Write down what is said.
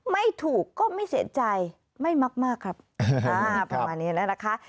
ไม่ถูกก็ไม่เสียใจไม่มากมากครับอ่าประมาณนี้น่ะนะคะ